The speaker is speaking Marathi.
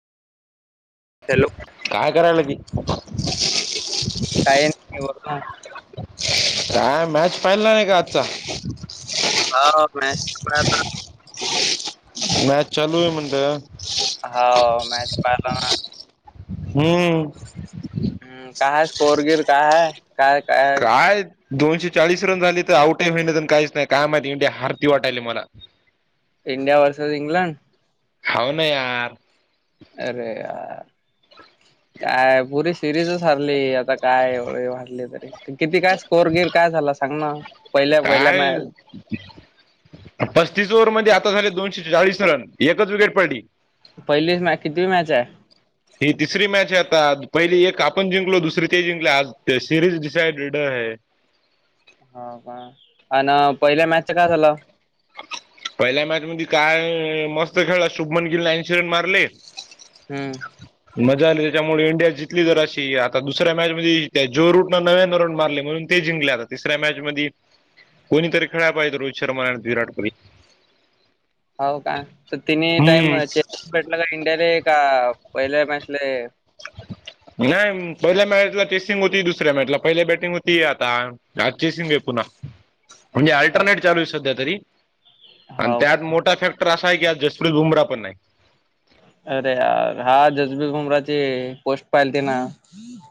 हॅलो. काय करायलाय की. [unintelligible] काही नाही, बोल ना. काय मॅच पाहिला नाही का आजचा. [unintelligible] मॅच चालूये म्हणलं. हाव, मॅच पाहिलो ना. हम. हम्म काय स्कोरगीर काय हाय. काय‌. दोनशे चाळीस रन झाले तर आउटे होईन च काहीच नाही, काय माहिती इंडिया हारती वाटायली मला. India versus England. हाऊ ना यार. अरे यार. काय पुरी सिरीजच हारली, आता काय‌ एवढं वाटले तरी. किती काय स्कोअर गेर काय झालं सांग ना, पहिल्या पहिल्या मॅ काय पस्तीस ओव्हर मध्ये आता झाले दोनशे चाळीस रन, एकच विकेट पडली. पहिलीच मॅच कितवी मॅच हाय. ही तिसरी मॅच आहे आता, पहिली एक आपण जिंकलो दुसरी ते जिंकले आज ते सिरीज डिसायडेड हाय. हो का आणं, पहिल्या मॅचचं काय झालं. पहिल्या मॅच मध्ये काय, मस्त खेळला शुभमन गिलने ऐंशी रन मारली. हम्म. मजा आली त्याच्यामुळे इंडिया जिंकली जराशी, आता दुसऱ्या मॅच मध्ये जो रूट न नव्यानं रन मारली म्हणून ते जिंकले तिसऱ्या मॅच मदी कोणीतरी खेळला पाहिजे रोहित शर्मा- विराट कोली [inaudible] हो का तर तिनने टाईम चे भेटला का इंडियाले का पहिले मॅचले नाही पहिल्या मॅचला टेसिंग होती दुसऱ्या मॅचला पहिल्या बॅटिंग होती आता- जाातचेसं वे पु ना [unintelligible] म्हणजे हो अल्टरनेट चालू ये सध्या तरी हो आन त्यात मोठा फॅक् [unintelligible] टा्रास आहे कि आज जसप्रीत बुमरा पण नाही. अरे यार, हा जसबीर बुमराचे पोस्ट पाहिलते ना.